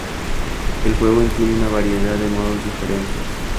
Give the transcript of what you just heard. El juego incluye una variedad de modos diferentes.